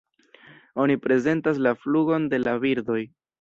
Oni prezentas la flugon de la birdoj.